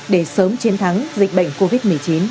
để sớm chiến thắng dịch bệnh covid một mươi chín